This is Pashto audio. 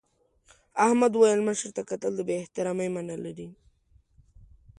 احمد وویل مشر ته کتل د بې احترامۍ مانا لري.